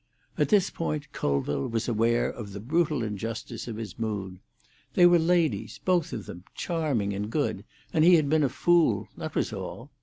At this point Colville was aware of the brutal injustice of his mood. They were ladies, both of them, charming and good, and he had been a fool; that was all.